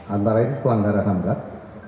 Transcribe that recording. antara lain pelanggaran pelanggaran